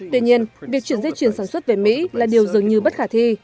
tuy nhiên việc chuyển dây chuyền sản xuất về mỹ là điều dường như bất khả thi